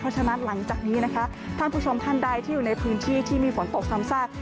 เพราะฉะนั้นหลังจากนี้นะคะท่านผู้ชมท่านใดที่อยู่ในพื้นที่ที่มีฝนตกซ้ำซาก